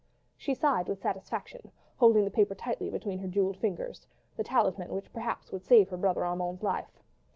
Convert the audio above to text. She sighed with satisfaction, holding the paper tightly between her jewelled fingers; that talisman which perhaps would save her brother Armand's life.